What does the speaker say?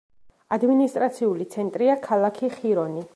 ადმინისტრაციული ცენტრია ქალაქი ხირონი.